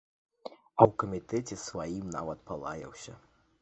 А ў камітэце сваім нават палаяўся.